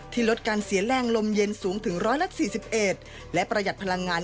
ลดการเสียแรงลมเย็นสูงถึง๑๔๑และประหยัดพลังงาน